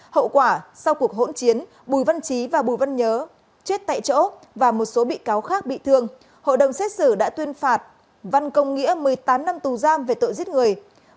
hậu quả sau cuộc hỗn chiến bùi văn trí và bùi văn nhớ chết tại chỗ và một số bị cáo khác bị thương hội đồng xét xử đã tuyên phạt văn công nghĩa một mươi tám năm tù giam về tội giết người